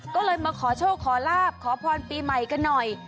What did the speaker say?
ก็เลยมาขอโชคขอลาบขอพรปีใหม่กันหน่อย